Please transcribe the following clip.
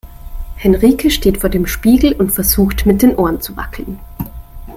Henrike steht vor dem Spiegel und versucht mit den Ohren zu wackeln.